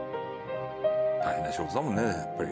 大変な仕事だもんねやっぱり。